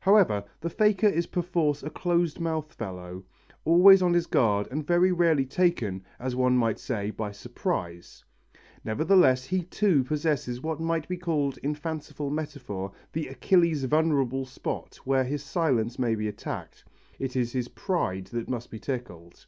However, the faker is perforce a close mouthed fellow, always on his guard and very rarely taken, as one might say, by surprise. Nevertheless he too possesses what might be called in fanciful metaphor the Achilles' vulnerable spot where his silence may be attacked: it is his pride that must be tickled.